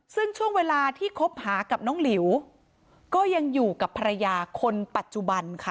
ซึ่งช่วงเวลาที่คบหากับน้องหลิวก็ยังอยู่กับภรรยาคนปัจจุบันค่ะ